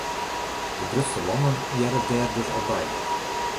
De grutste lannen hearre dêr dus al by.